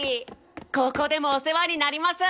高校でもお世話になります！